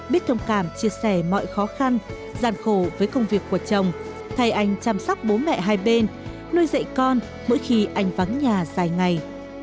biết thông cảm chia sẻ mọi khó khăn gian khổ với công việc của chồng thay anh chăm sóc bố mẹ hai bên nuôi dạy con mỗi khi anh vắng nhà dài ngày